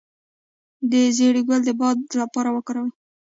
د زیرې ګل د باد لپاره وکاروئ